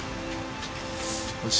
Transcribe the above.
よし。